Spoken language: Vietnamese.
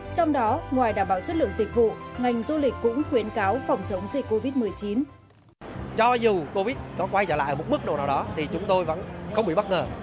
trong đó ngoài đảm bảo chất lượng dịch vụ ngành du lịch cũng khuyến cáo phòng chống dịch covid một mươi chín